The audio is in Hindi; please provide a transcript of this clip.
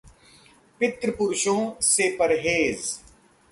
पितृपुरुषों से परहेज